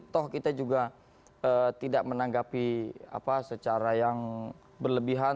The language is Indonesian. toh kita juga tidak menanggapi secara yang berlebihan